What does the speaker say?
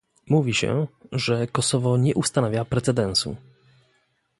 Mówi się, że Kosowo nie ustanawia precedensu